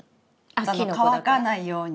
乾かないように。